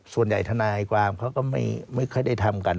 ส่วนใหญ่ทนายกว้างเขาก็ไม่ค่อยได้ทำกัน